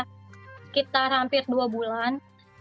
sekitar hampir dua bulan